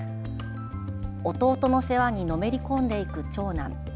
弟の世話にのめり込んでいく長男。